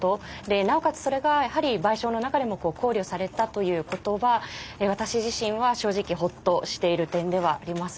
なおかつそれがやはり賠償の中でも考慮されたということは私自身は正直ほっとしている点ではあります。